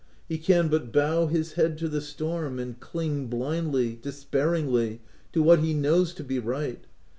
He can but bow his head to the storm, and cling, blindly, de spairingly, to what he knows to be right.